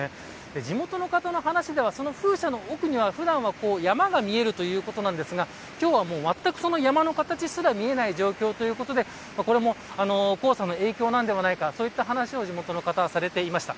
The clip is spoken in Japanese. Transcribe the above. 地元の方の話では風車の奥には普段は山が見えるということですが今日は全く山の形すら見えない状況ということでこれも黄砂の影響なんではないかと地元の方は話していました。